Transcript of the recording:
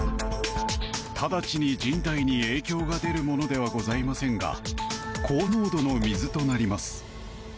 直ちに人体に影響が出るものではございませんが高濃度の水となります。